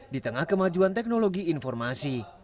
di tengah kemajuan teknologi informasi